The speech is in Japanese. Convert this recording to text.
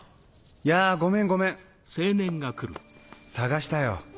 ・やぁごめんごめん・捜したよ。